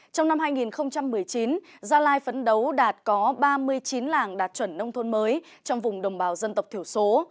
trong năm hai nghìn một mươi chín gia lai phấn đấu đạt có ba mươi chín làng đạt chuẩn nông thôn mới trong vùng đồng bào dân tộc thiểu số